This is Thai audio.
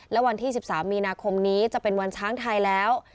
และวันที่๑๓มีนาคมนี้จะเป็นวันช้างไทยแล้ว